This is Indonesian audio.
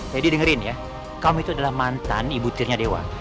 saya di dengerin ya kamu itu adalah mantan ibu tirnya dewa